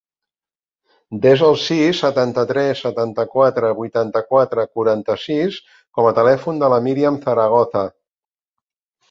Desa el sis, setanta-tres, setanta-quatre, vuitanta-quatre, quaranta-sis com a telèfon de la Míriam Zaragoza.